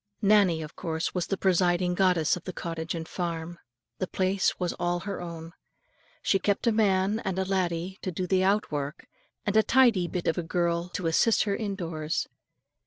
Nannie of course was the presiding goddess of the cottage and farm. The place was all her own. She kept a man and a laddie to do the out work, and a tidy bit of a girl to assist her in doors.